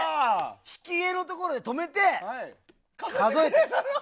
引き画のところで止めて数えて。